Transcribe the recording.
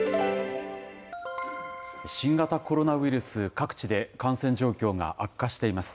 新型コロナウイルス、各地で感染状況が悪化しています。